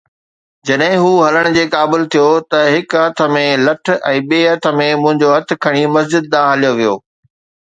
جڏهن هو هلڻ جي قابل ٿيو ته هڪ هٿ ۾ لٺ ۽ ٻئي هٿ ۾ منهنجو هٿ کڻي مسجد ڏانهن هليو ويو